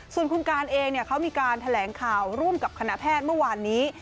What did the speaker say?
ส่วนคุณการเองเขามีการแถลงข่าวร่วมกับคณะแพทย์เมื่อวานนี้